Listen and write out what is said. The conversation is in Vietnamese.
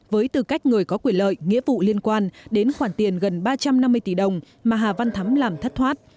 với tư cách người có quyền lợi nghĩa vụ liên quan đến khoản tiền gần ba trăm năm mươi tỷ đồng mà hà văn thắm làm thất thoát